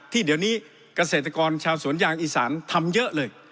ที่เดี๋ยวนี้เกษตรกรชาวสวนยางอีสานทำเยอะเลย